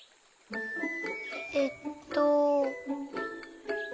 えっと。